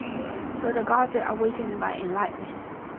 So the gods are awakened by enlightenment.